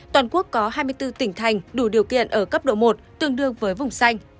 toàn quốc có hai mươi bốn tỉnh thành đủ điều kiện ở cấp độ một tương đương với vùng xanh